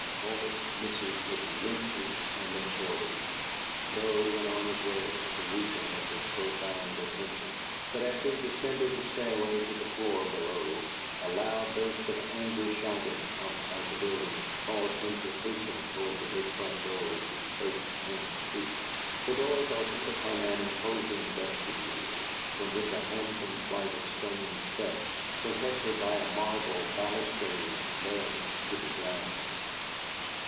Norbert's missive was lengthy and absorbing; Joe went on his way, perusing it with profound attention; but as he descended the stairway to the floor below, a loud burst of angry shouting, outside the building, caused him to hasten toward the big front doors which faced Main Street. The doors opened upon an imposing vestibule, from which a handsome flight of stone steps, protected by a marble balustrade, led to the ground.